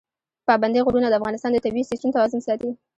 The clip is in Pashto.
پابندی غرونه د افغانستان د طبعي سیسټم توازن ساتي.